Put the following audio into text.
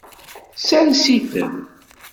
Sers-iten.